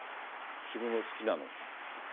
自分の好きなの。